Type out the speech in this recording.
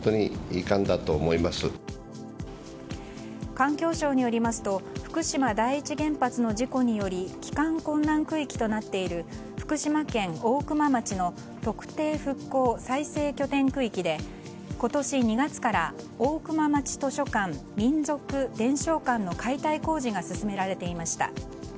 環境省によりますと福島第一原発の事故により帰還困難区域となっている福島県大熊町の特定復興再生拠点区域で今年２月から大熊町図書館・民俗伝承館の解体工事が進められていました。